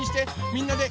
みんなで。